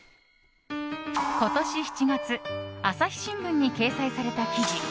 今年７月朝日新聞に掲載された記事